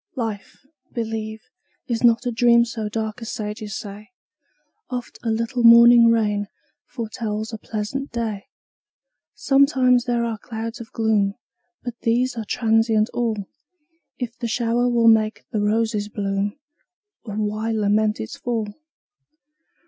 Life, believe, is not a dream So dark as sages say; Oft a little morning rain Foretells a pleasant day. Sometimes there are clouds of gloom, But these are transient all; If the shower will make the roses bloom, O why lament its fall?